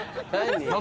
何？